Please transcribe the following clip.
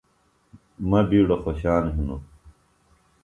مہ بِیڈوۡ خوشان ہِنوۡ۔